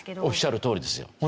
おっしゃるとおりですよ。